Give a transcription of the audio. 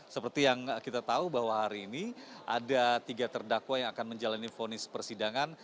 seperti yang kita tahu bahwa hari ini ada tiga terdakwa yang akan menjalani fonis persidangan